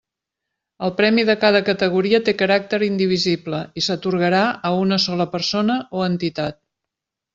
El premi de cada categoria té caràcter indivisible i s'atorgarà a una sola persona o entitat.